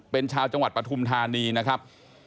เป็นชาวจังหวัดปฐุมธานีนะครับ